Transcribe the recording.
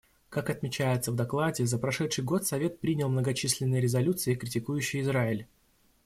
Как отмечается в докладе, за прошедший год Совет принял многочисленные резолюции, критикующие Израиль.